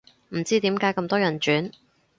唔知點解咁多人轉